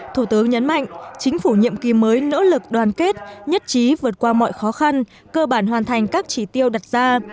thủ tướng nhấn mạnh chính phủ nhiệm kỳ mới nỗ lực đoàn kết nhất trí vượt qua mọi khó khăn cơ bản hoàn thành các chỉ tiêu đặt ra